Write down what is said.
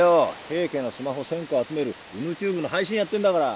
平家のスマホ１，０００個集めるＵｎｕＴｕｂｅの配信やってんだから。